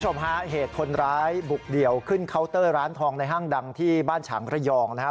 คุณผู้ชมฮะเหตุคนร้ายบุกเดี่ยวขึ้นเคาน์เตอร์ร้านทองในห้างดังที่บ้านฉางระยองนะครับ